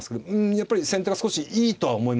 やっぱり先手が少しいいとは思いますよね。